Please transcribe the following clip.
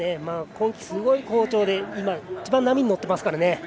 今季すごい好調で今、一番波に乗っています。